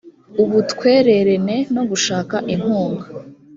ubutwererene no gushaka inkunga